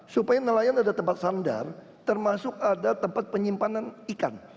supaya nelayan ada tempat sandar termasuk ada tempat penyimpanan ikan